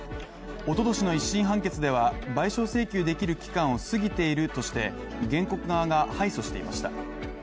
おととしの一審判決では賠償請求できる期間を過ぎているとして、原告側が敗訴していました。